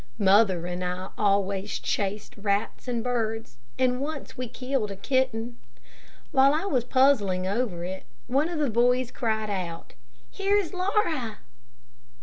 Mother and I always chased rats and birds, and once we killed a kitten. While I was puzzling over it, one of the boys cried out, "Here is Laura!"